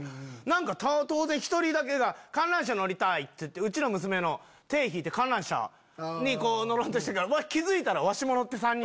何か１人だけが「観覧車乗りたい」って言ってうちの娘の手引いて観覧車に乗ろうとしたから気付いたら。